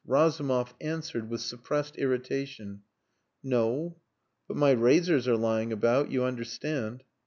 Razumov answered with suppressed irritation "No. But my razors are lying about you understand."